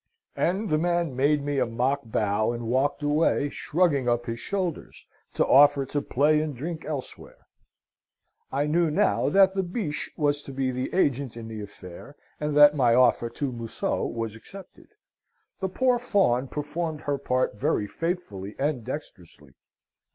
"And the man made me a mock bow, and walked away, shrugging up his shoulders, to offer to play and drink elsewhere. "I knew now that the Biche was to be the agent in the affair, and that my offer to Museau was accepted. The poor Fawn performed her part very faithfully and dexterously.